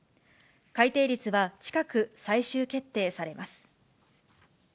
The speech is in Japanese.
改定率は近く、最終決定されます。